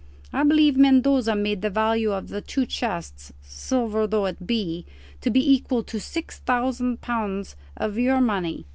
I believe Mendoza made the value of the two chests silver though it be to be equal to six thousand pounds of your money."